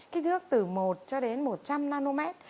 kích thước từ một cho đến một trăm linh nanom